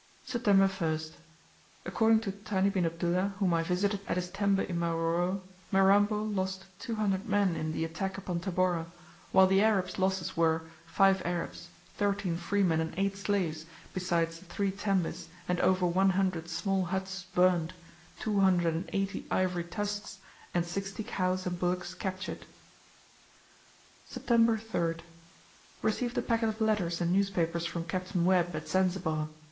September 1st: According to Thani bin Abdullah whom I visited to day, at his tembe in Maroro, Mirambo lost two hundred men in the attack upon Tabora, while the Arabs' losses were, five Arabs, thirteen freemen and eight slaves, besides three tembes, and over one hundred small huts burned, two hundred and eighty ivory tusks, and sixty cows and bullocks captured. September 3rd. Received a packet of letters and newspapers from Capt. Webb, at Zanzibar.